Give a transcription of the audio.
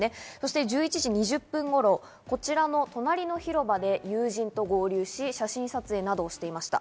１１時２０分頃、こちらの隣の広場で友人と合流し、写真撮影などをしていました。